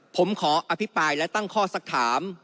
ผมขออภิปรายและตั้งข้อสักถาม